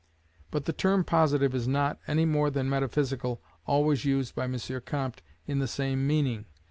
But the term Positive is not, any more than Metaphysical, always used by M. Comte in the same meaning.